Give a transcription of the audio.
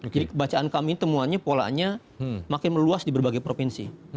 jadi kebacaan kami temuan polanya makin meluas di berbagai provinsi